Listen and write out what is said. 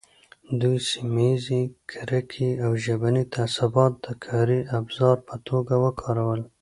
دوی سیمه ییزې کرکې او ژبني تعصبات د کاري ابزار په توګه وکارول.